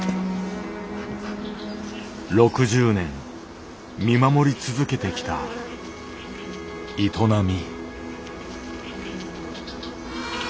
６０年見守り続けてきた営み。